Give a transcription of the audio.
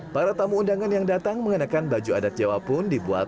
para tamu undangan yang datang mengenakan baju adat jawa pun dibuat